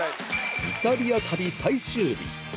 イタリア旅最終日